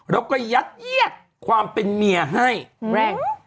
แล้วก็ยัดเยียดความเป็นเมียให้แรง